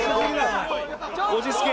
落ち着け！